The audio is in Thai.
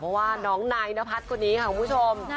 เพราะว่าน้องนายนพัฒน์คนนี้ค่ะคุณผู้ชม